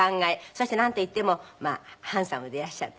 そしてなんといってもハンサムでいらっしゃるという事。